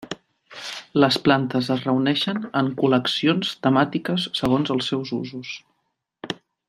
Les plantes es reuneixen en col·leccions temàtiques segons els seus usos.